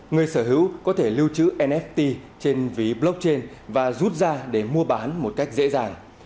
người sở hữu có thể lưu trữ nft trên ví blockchain và rút ra để mua bán một cách dễ dàng